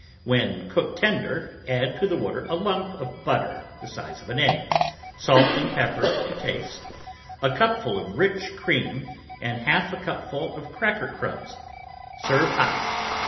When cooked tender, add to the water a lump of butter the size of an egg, salt and pepper to taste, a cup ful of rich cream, and half a cupful of cracker crumbs ; serve hot.